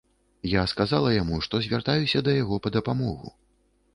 Я сказала яму, што звяртаюся да яго па дапамогу.